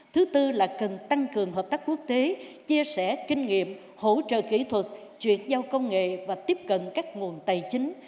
thứ tư là cần tăng cường hợp tác quốc tế chia sẻ kinh nghiệm hỗ trợ kỹ thuật chuyển giao công nghệ và tiếp cận các nguồn tài chính